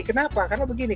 kenapa karena begini